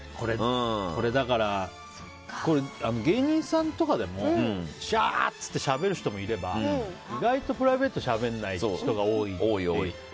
これ、芸人さんとかでもしゃー！ってしゃべる人もいれば意外とプライベートはしゃべらないという人も多いし。